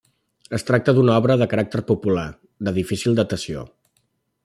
Es tracta d'una obra de caràcter popular, de difícil datació.